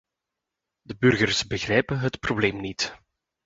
De burgers begrijpen het probleem niet.